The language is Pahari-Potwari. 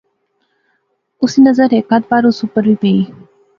اس نی نظر ہیک آدھ بار اس اوپر وی پئی